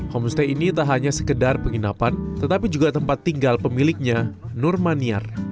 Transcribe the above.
homestay ini tak hanya sekedar penginapan tetapi juga tempat tinggal pemiliknya nur maniar